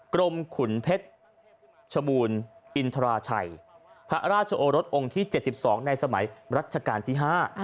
กรมขุนเพชรชบูรณ์อินทราชัยพระราชโอรสองค์ที่๗๒ในสมัยรัชกาลที่๕